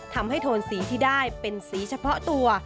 โทนสีที่ได้เป็นสีเฉพาะตัว